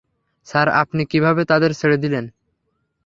Sir, আপনি কিভাবে তাদের ছেড়ে দিলেন?